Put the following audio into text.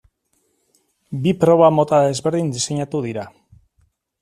Bi proba mota desberdin diseinatu dira.